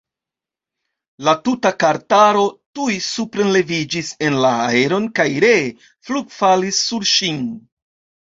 La tuta kartaro tuj suprenleviĝis en la aeron kaj ree flugfalis sur ŝin.